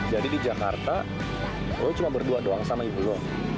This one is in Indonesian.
jadi di jakarta lo cuma berdua doang sama ibu lo